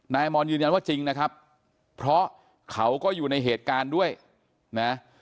นายมอนยืนยันว่าจริงนะครับเพราะเขาก็อยู่ในเหตุการณ์ด้วยนะ